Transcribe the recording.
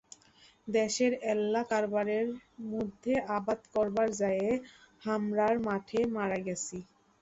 দ্যাশের এল্লা কারবারের মধ্যে আবাদ করবার য্যায়া হামরায় মাঠে মারা গেচি।